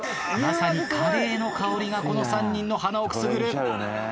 まさにカレーの香りがこの３人の鼻をくすぐる。